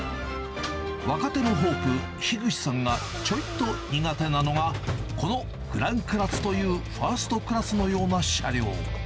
若手のホープ、樋口さんがちょいと苦手なのが、このグランクラスという、ファーストクラスのような車両。